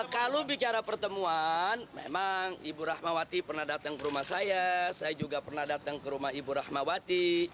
kalau bicara pertemuan memang ibu rahmawati pernah datang ke rumah saya saya juga pernah datang ke rumah ibu rahmawati